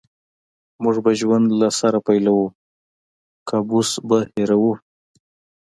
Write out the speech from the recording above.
موږ به ژوند له سره پیلوو او کابوس به هېروو